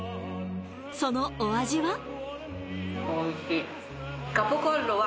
そのお味は？